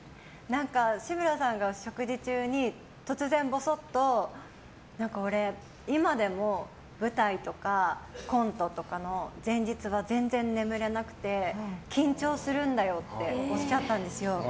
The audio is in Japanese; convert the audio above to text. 志村さんが食事中に突然、ぼそっと何か俺、今でも舞台とかコントとかの前日は全然眠れなくて緊張するんだよっておっしゃったんですよ。